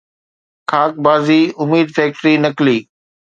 خاڪ بازي اميد فيڪٽري ٽفلي